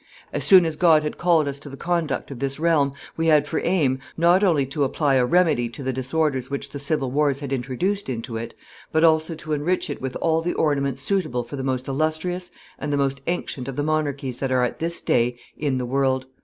"As soon as God had called us to the conduct of this realm, we had for aim, not only to apply a remedy to the disorders which the civil wars had introduced into it, but also to enrich it with all ornaments suitable for the most illustrious and the most ancient of the monarchies that are at this day in the world.